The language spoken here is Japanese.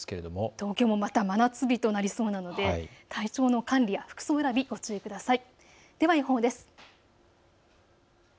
東京もまた真夏日となりそうなので体調の管理や服装選びにご注意ください。